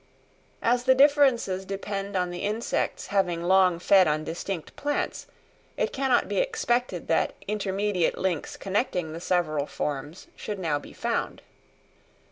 As the differences depend on the insects having long fed on distinct plants, it cannot be expected that intermediate links connecting the several forms should now be found.